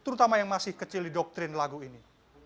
terutama yang masih kecil di doktrin lagu ini